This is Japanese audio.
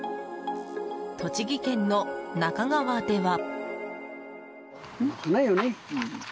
栃木県の那珂川では。